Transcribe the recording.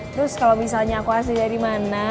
terus kalau misalnya aku asli dari mana